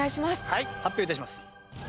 はい発表致します。